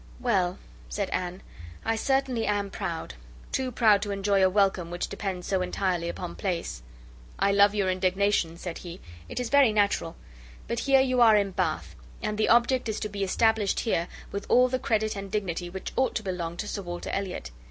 "Well," said Anne, "I certainly am proud, too proud to enjoy a welcome which depends so entirely upon place." "I love your indignation," said he; "it is very natural. But here you are in Bath, and the object is to be established here with all the credit and dignity which ought to belong to Sir Walter Elliot.